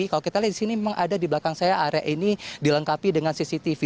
kalau kita lihat di sini memang ada di belakang saya area ini dilengkapi dengan cctv